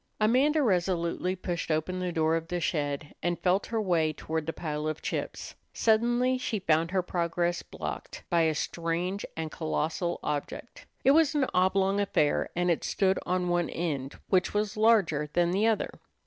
Amanda resolutely pushed open the door of the shed, and felt her way toward the pile of chips. Suddenly she found her progress blocked by a strange and colossal object. It was an oblong affair, and it stood on one end, which was larger than the other.